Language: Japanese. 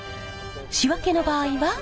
仕分けの場合は。